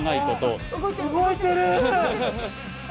動いてる！